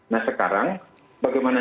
nah sekarang bagaimana